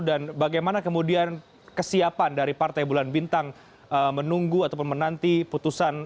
dan bagaimana kemudian kesiapan dari partai bulan bintang menunggu atau menanti putusan